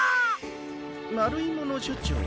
まるいものしょちょう？